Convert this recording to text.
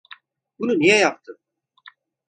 Bunu niye yaptın?